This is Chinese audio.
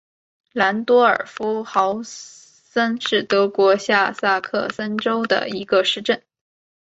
兰多尔夫斯豪森是德国下萨克森州的一个市镇。